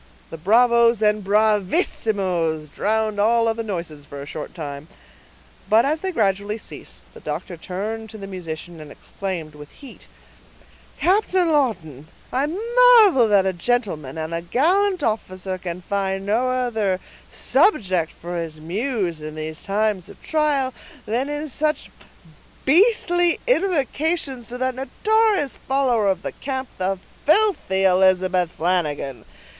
The bravos and bravissimos drowned all other noises for a short time; but as they gradually ceased, the doctor turned to the musician, and exclaimed with heat,— "Captain Lawton, I marvel that a gentleman, and a gallant officer, can find no other subject for his muse, in these times of trial, than in such beastly invocations to that notorious follower of the camp, the filthy Elizabeth Flanagan.